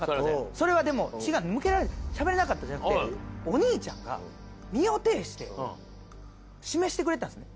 それはでも違う向けられてしゃべれなかったんじゃなくてお兄ちゃんが身をていして示してくれてたんですね。